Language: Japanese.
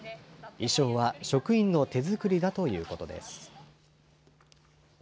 衣装は職員の手作りだということです。